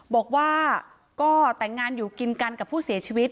บอกว่าก็แต่งงานอยู่กินกันกับผู้เสียชีวิต